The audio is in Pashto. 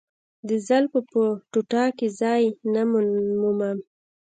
د زلفو په ټوټه کې ځای نه مومم.